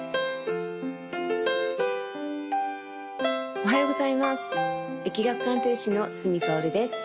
おはようございます易学鑑定士の角かおるです